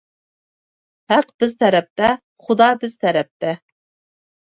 ھەق بىز تەرەپتە، خۇدا بىز تەرەپتە!